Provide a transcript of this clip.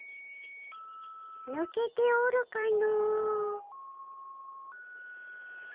ぬけておるかの。